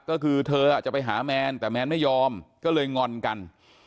ก็คือเธอจะไปหาแมนแต่แมนไม่ยอมก็เลยงอนกัน